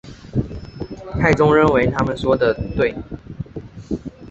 太宗认为他们说得对。